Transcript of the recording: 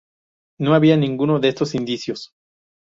No había ninguno de estos indicios.